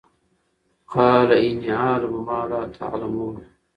قَالَ إِنِّىٓ أَعْلَمُ مَا لَا تَعْلَمُونَ